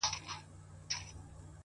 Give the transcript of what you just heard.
ژوند د انتخابونو لړۍ ده,